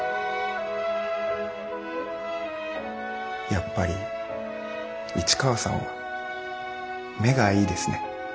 やっぱり市川さんは目がいいですね。